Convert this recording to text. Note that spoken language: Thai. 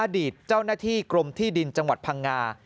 อดีตเจ้าหน้าที่กรมที่ดินจังหวัดพังงา